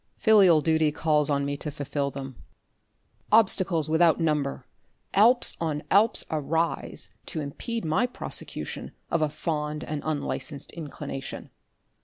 Filial duty calls on me to fulfil them. Obstacles without number, Alps on Alps arise, to impede my prosecution of a fond and unlicensed inclination.